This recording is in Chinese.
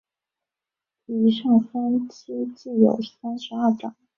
以上三期计有三十二章。